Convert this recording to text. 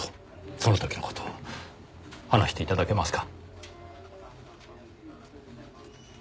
その時の事を話して頂けますか？